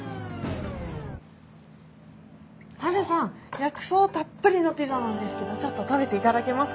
薬草たっぷりのピザなんですけどちょっと食べていただけますか？